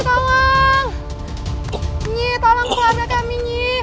tolong keluarga kami